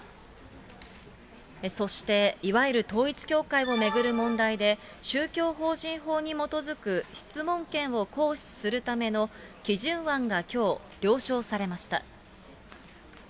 そして、いわゆる統一教会を巡る問題で、宗教法人法に基づく質問権を行使するための基準案がきょう、了承されました。